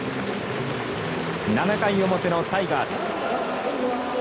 ７回表のタイガース。